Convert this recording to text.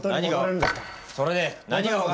それで何が。